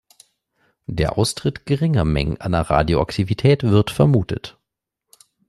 Der Austritt geringer Mengen an Radioaktivität wird vermutet.